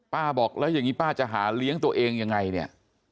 บอกแล้วอย่างนี้ป้าจะหาเลี้ยงตัวเองยังไงเนี่ย